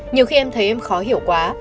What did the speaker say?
nhiều khi em thấy em khó hiểu quá